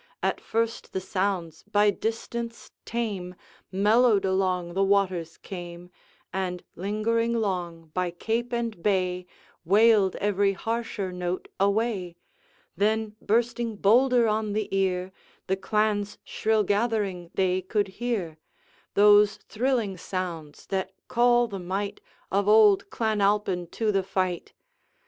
At first the sounds, by distance tame, Mellowed along the waters came, And, lingering long by cape and bay, Wailed every harsher note away, Then bursting bolder on the ear, The clan's shrill Gathering they could hear, Those thrilling sounds that call the might Of old Clan Alpine to the fight.